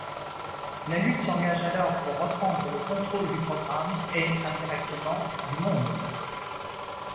La lutte s'engage alors pour reprendre le contrôle du programme, et, indirectement, du monde.